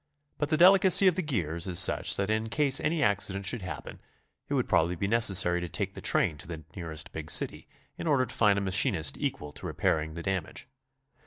But the delicacy of the gears is such that in case any accident should happen, it would probably be necessary to take the train to the nearest big city in order to find a machinist equal to repairing the dam age.